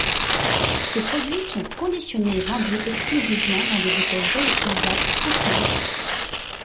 Ces produits sont conditionnés et vendus exclusivement dans des bouteilles réutilisables consignées.